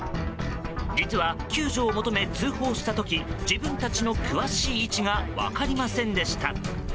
実は救助を求め、通報した時自分たちの詳しい位置が分かりませんでした。